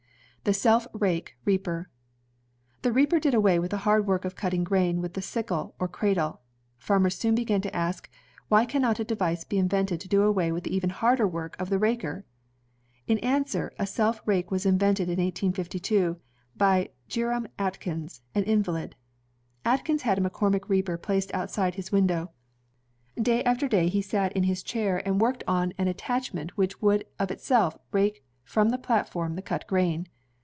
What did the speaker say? The Self rake Reaper The reaper did away with the hard work of cutting grain with the sickle or cradle. Farmers soon began to ask, "Why cannot a device be invented to do away with the ^^^ 7fe5^ ^»^^ ^S i^i& KcCORUTCE SEU KAKE SEAPER even harder work of the raker? " In answer, a self rake was invented in 1852, by Jearum Atkins, an invalid. Atkins had a McCormick reaper placed outside of his window. Day after day he sat in his chair and worked CYRUS H. MCCORMICK 1 55 on an attachment which would of itself rake from the platform the cut grain.